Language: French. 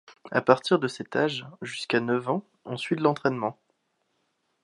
À partir de cet âge, jusqu'à neuf ans, on suit de l’entraînement.